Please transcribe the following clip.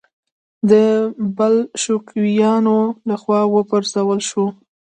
د بلشویکانو له خوا و پرځول شو.